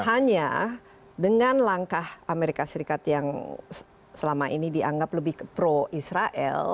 hanya dengan langkah amerika serikat yang selama ini dianggap lebih pro israel